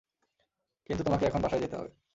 কিন্তু তোমাকে এখন বাসায় যেতে হবে।